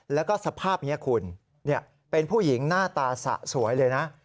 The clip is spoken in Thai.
แล้วก็สภาพนี้คุณเป็นผู้หญิงหน้าตาสะสวยเลยนะ